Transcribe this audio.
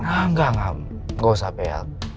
enggak enggak gak usah bel